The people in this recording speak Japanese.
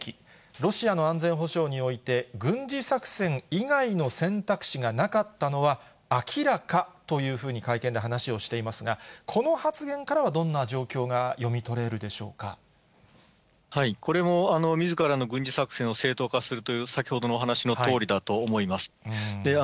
ロシアの安全保障において、軍事作戦以外の選択肢がなかったのは、明らかというふうに会見で話をしていますが、この発言からは、どんな状況が読これも、みずからの軍事作戦を正当化するという、先ほどのお話のとおりだと思います。